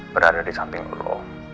berada di samping lo